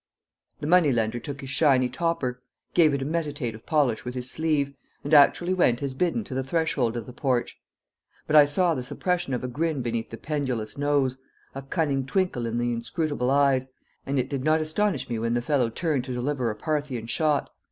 The money lender took his shiny topper, gave it a meditative polish with his sleeve, and actually went as bidden to the threshold of the porch; but I saw the suppression of a grin beneath the pendulous nose, a cunning twinkle in the inscrutable eyes, and it did not astonish me when the fellow turned to deliver a Parthian shot.